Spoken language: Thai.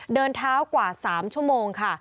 เดินเท้ากว่า๓ชั่วโมงค่ะ